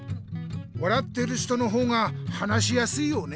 笑っている人の方が話しやすいよね。